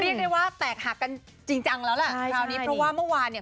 เรียกได้ว่าแตกหักกันจริงจังแล้วแหละคราวนี้เพราะว่าเมื่อวานเนี่ย